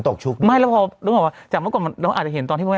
ไม่แล้วพอต้องบอกว่าจากเมื่อก่อนเราอาจจะเห็นตอนที่ว่า